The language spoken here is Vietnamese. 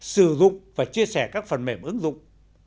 sử dụng và chia sẻ các phần mềm ứng dụng